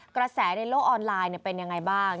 กระแสในโลกออนไลน์เป็นยังไงบ้าง